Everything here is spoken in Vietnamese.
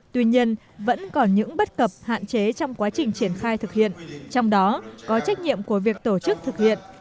tuy nhiên vẫn còn những bất cập hạn chế trong quá trình triển khai thực hiện trong đó có trách nhiệm của việc tổ chức thực hiện